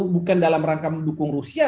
bukan dalam rangka mendukung rusia